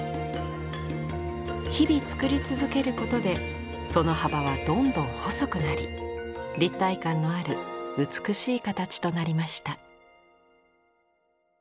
日々作り続けることでその幅はどんどん細くなり立体感のある美しい形となりました。